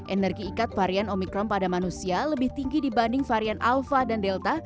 energi ikat varian omikron pada manusia lebih tinggi dibanding varian alpha dan delta